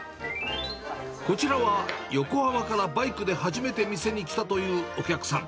こちらは、横浜からバイクで初めて店に来たというお客さん。